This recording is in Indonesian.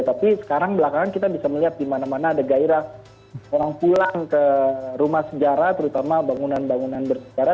tapi sekarang belakangan kita bisa melihat di mana mana ada gairah orang pulang ke rumah sejarah terutama bangunan bangunan bersejarah